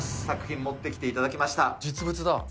作品、持ってきていただきま実物だ。